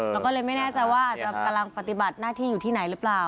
แล้วก็เลยไม่แน่ใจว่าอาจจะกำลังปฏิบัติหน้าที่อยู่ที่ไหนหรือเปล่า